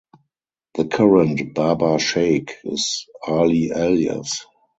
The current Baba Sheikh is Ali Alyas.